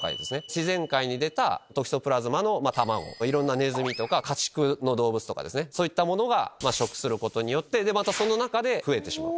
自然界に出たトキソプラズマの卵をいろんなネズミとか家畜の動物が食することによってその中で増えてしまう。